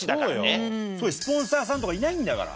そういうスポンサーさんとかいないんだから。